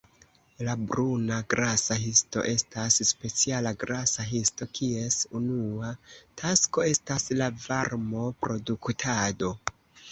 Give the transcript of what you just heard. La bruna grasa histo estas speciala grasa histo, kies unua tasko estas la varmo-produktado.